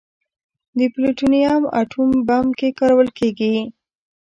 د پلوټونیم اټوم بم کې کارول کېږي.